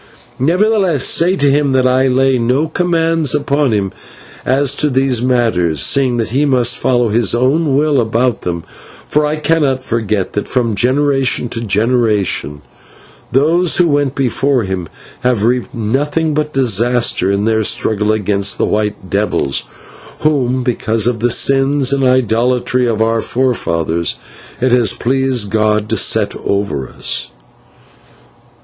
"'Nevertheless, say to him that I lay no commands upon him as to these matters, seeing that he must follow his own will about them, for I cannot forget that, from generation to generation, those who went before him have reaped nothing but disaster in their struggle against the white devils, whom, because of the sins and idolatry of our forefathers, it has pleased God to set over us.'